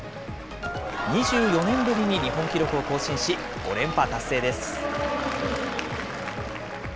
２４年ぶりに日本記録を更新し、５連覇達成です。